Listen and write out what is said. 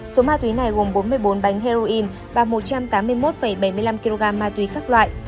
số ma túy này gồm bốn mươi bốn bánh heroin và một trăm tám mươi một bảy mươi năm kg ma túy các loại